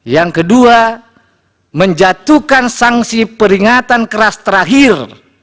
yang kedua menjatuhkan sanksi peringatan keras terakhir